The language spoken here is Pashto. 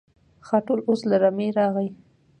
خاټول اوس له رمې راغی.